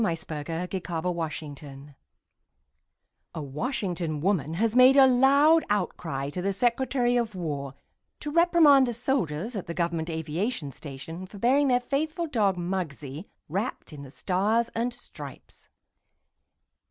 THE FLAG AND THE FAITHFUL (A Washington woman has made a loud outcry to the Secretary of War to reprimand the soldiers at the Government Aviation Station for burying their faithful dog, Muggsie, wrapped in the Stars and Stripes.)